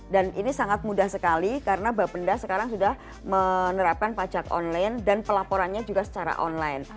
dan ini sangat mudah sekali karena bapenda sekarang sudah menerapkan pajak online dan pelaporannya juga secara online